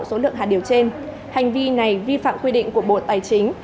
số lượng hạt điều trên hành vi này vi phạm quy định của bộ tài chính